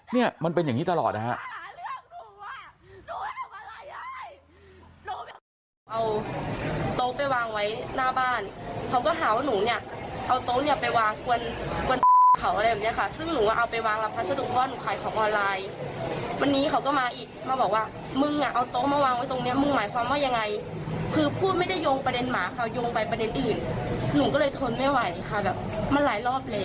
เนี่ยมันเป็นอย่างนี้ตลอดนะฮะ